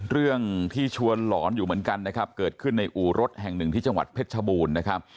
เรื่องที่ชวนหลอนอยู่เหมือนกันนะครับเกิดขึ้นในอู่รถแห่งหนึ่งที่จังหวัดเพชรชบูรณ์นะครับ